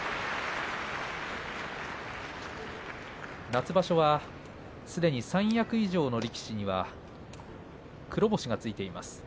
夏場所はすでに三役以上の力士には黒星がついています。